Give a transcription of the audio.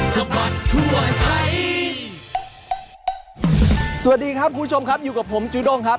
สวัสดีครับคุณผู้ชมครับอยู่กับผมจูด้งครับ